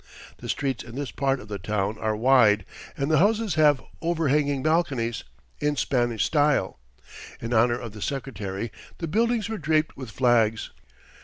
The streets in this part of the town are wide, and the houses have overhanging balconies, in Spanish style. In honour of the Secretary, the buildings were draped with flags.